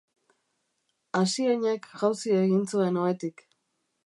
Asiainek jauzi egin zuen ohetik.